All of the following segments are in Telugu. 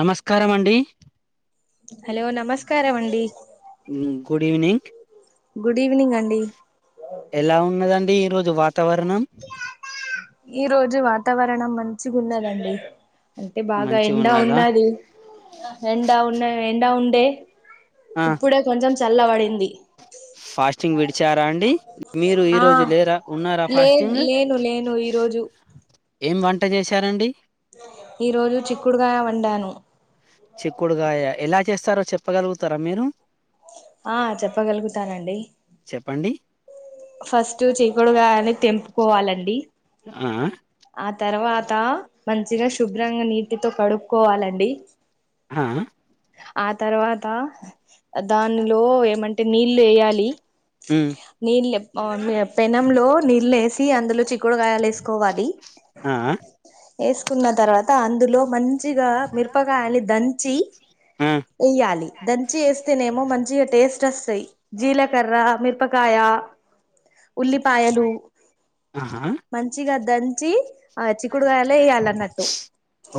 నమస్కారం అండి హలో నమస్కారం అండి ఉమ్ గుడ్ ఈవినింక్ గుడ్ ఈవినింగ్ అండి ఎలా ఉన్నదండి ఈరో ఇ వాతావరణం ఈ రోజు వాతావరణం మంచిగా ఉన్నదండి అంటె బాగా మంచిగా ఎండ ఉన్నదా ఉన్నది ఎండా ఉన్నాయి ఎండ ఉండే ఆ ఇప్పుడే కొంచం చల్లబడింది ఫాస్టింగ్ విడిచారా అండి మీరు ఈ ఆ రోజు లేరా ఉన్నారా లే ఫాస్టింగ్ లేను లేను ఈ రోజు ఏం వంట చేశారండి ఈ రోజు చిక్కుడుకాయ వండాను [unintelligible] చిక్కుడుగాయ ఎలా చేస్తారో చెప్పగలుగుతారా మీరు ఆ చెప్పగలుగుతానండి చెప్పండి ఫస్ట్ చీక్కుడు కాయని తెంప్ కోవాలండి ఆ ఆ తరవాత మంచిగా శుభ్రంగా నీట్ తో కడుక్కోవాలండి ఆ ఆ ఆ తర్వాత దానిలో ఏమంటే నీళ్ వేయాలి. ఉమ్ నీళ్ళే మ అమ్మి చెప్ పెనం లో నీళ్లేస్ ఈ అందులో చిక్కుడుగాయలు వేసుకోవాలి. ఆ ఆ వేసుకున్న తర్వాత అందులో మన్ చిగా మిరుపకాయల్ని దంచ్ చీ ఆ వేయ్యాలి దంచి వేస్తేనేమో మంచిగా టేస్ట్ ట్రాసై జీలకర్ర మిరపకాయ ఉల్లిపాయలు ఆహా మంచిగా దంచి ఆ చిక్కుడుకాయలో వేయాలన్నట్టు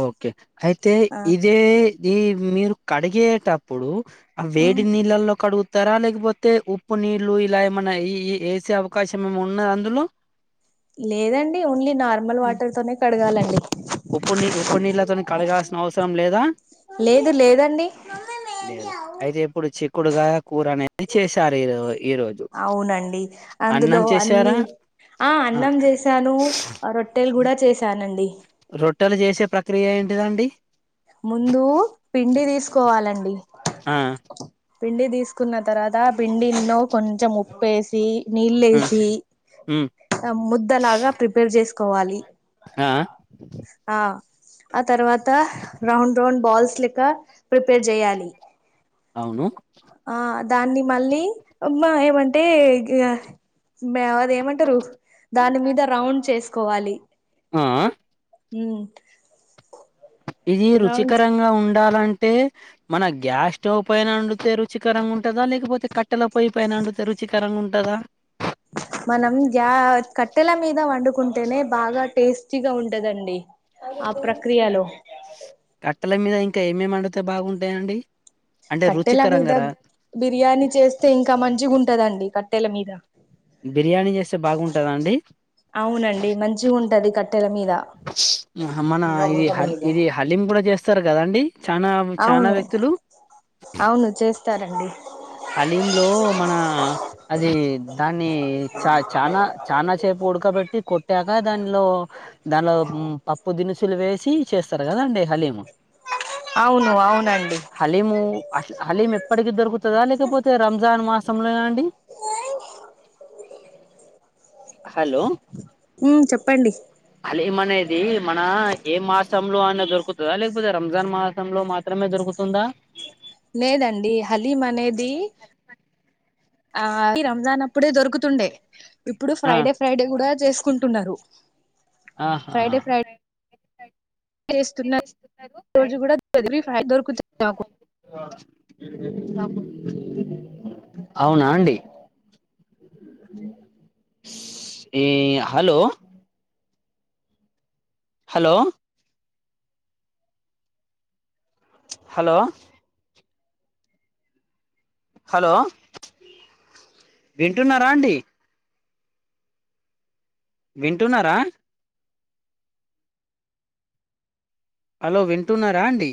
ఓకే అయితే ఆ ఇదే ది మీరు కడిగేటప్పుడు ఆ వేడి నీళ్ళల్లో కడుగు తర లేకపోతే ఉప్పు నీళ్లు ఇలా ఏమైన్నా ఈ ఈ వేసే అవకాశం ఏమ ఉన్నాద అందులో లేదండి ఓన్లీ నార్మల్ వాటర్ తోనే కడగాలండి ఉప్పు నీ ఉప్పు నీళ్లతోని కడగాల్సిన అవసరం లేదా లేదు లేదండి లేదు అయితే ఇప్పుడు చిక్ కుడుగాయ కూర అనేది చేశారు ఈ రో ఈ రోజు అవునండి అందులో అన్నం చేశారా అన్నీ ఆ అన్నం చేసాను రొట్టెలు కూడా చేశానండి రొట్ ట్టలు చేసే ప్రక్రియ ఏంటిదండి ముందు పిండి తీసుకోవాలండి ఆ పిండి తీసుకున్న తర్వాత పిండిల్లో కొంచెం ఉప్పేసి ఆ నీళ్ళేసి ఉమ్ ముద్దలాగా ప్రిపేర్ చేస్ కోవాలి ఆ ఆ ఆ తర్వాత రౌండ్ రౌండ్ బాల్స్ లెక్క ప్రిపేర్ చెయ్యాలి అవును ఆ దాన్ని మళ్ళీ మ ఏమన్ టే గ్య బ్యావ్ అది ఏమంటారు దాని మీద రౌండ్ చేసుకోవాలి ఆ ఉమ్ ఇది రౌండ్ రుచికరంగా ఉన్ డాలంటే మన గ్యాస్ స్టవ్ పైన వండితే రుచికరంగా ఉంటందా లేకపోతే క ట్టల పొయ్యి పైన అండుతే రుచికరం గున్ టదా మనం గ్యా కట్టెల మీద వండుకుంటేనే బాగా టేస్టీగా ఉన్ టదంది ఆ ప్రక్రియలో ల మీద ఇంకా ఏమేం వండుతే బావుంటాయండి కట్టెల మీద బిర్యానీ చేస్తే ఇంకా మంచిగా ఉంటదండి కట్టెల మీద బిర్యానీ చేస్తే బాగుంటందా అండి అవునండి మంచిగా ఉంటది కట్టెల మీద మన ఇది హల్ ఇది హల్లీం కూడా చేస్తారు కదాండి అవును అవును చేస్తారండి హలీమ్ లో మన అది దాన్ని చ చనా చాలనాాసేపు ఉడకబట్టి కొట్టే ఇగా దానిలో దాన్లో పాప్పు దీనుసు అసులు వేసి చేస్తారు కదా అండి హలీము అవును అవునండి అ హలీం ఎప్పటికి దొకు తా లేకపోతే రంజాన్ మాస్ సమయ అండి హలో ఉ చెప్పండి అలీం అనేది మన ఏ మాసం లో ఆనే దొరుకుతుందా లేకపోతే రంజాన్ మాసంలో మాత్రమే దొరుకుతుందా లేదండి హలీం అనేది ఆ రంజాన్ అప్పుడే దొరుకుతుండే ఇప్పుడు ఆ ఫ్రైడే ఫ్రైడే కూడా చేసుకుంటున్నారు ఆహా ఫ్రైడే ఫ్రైడే చేస్తున్న రోజు కూడా చదివి ఫ్ర్రి దొకుతాది నాకు అవునా అండి ఈ హలో హలో హలో హలో వింటున్నారా అండి వింటున్నారా హలో వింటున్నారా అండి